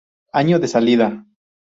Año de Salida